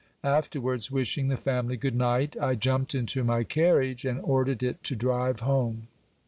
Afterwards, wishing the faftily good night, I jumped into my carriage, and ordered it to drive home.